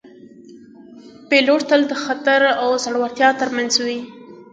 پیلوټ تل د خطر او زړورتیا ترمنځ وي